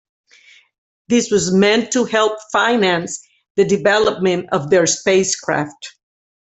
This was meant to help finance the development of their spacecraft.